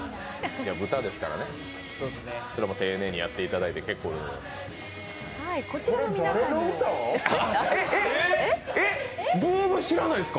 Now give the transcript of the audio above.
豚ですからね、丁寧にやっていただいて結構でございます。